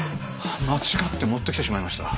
間違って持ってきてしまいました。